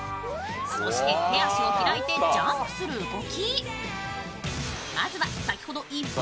そして手足を開いてジャンプする動き。